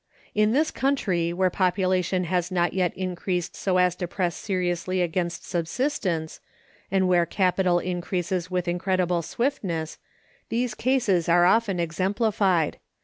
In this country, where population has not yet increased so as to press seriously against subsistence, and where capital increases with incredible swiftness, these cases are often exemplified.